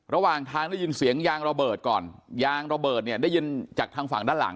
ระหว่างทางได้ยินเสียงยางระเบิดก่อนยางระเบิดเนี่ยได้ยินจากทางฝั่งด้านหลัง